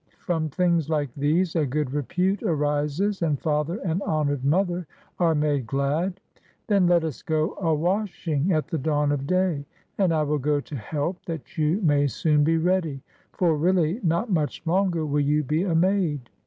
From things Hke these a good repute arises, and father and honored mother are made glad. Then let us go a wash ing at the dawn of day, and I will go to help, that you may soon be ready; for really not much longer will you be a maid.